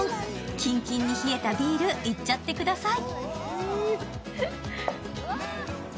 キンキンに冷えたビールいっちゃってください。